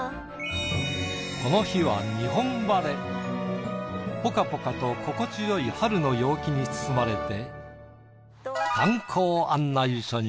この日はポカポカと心地よい春の陽気に包まれて。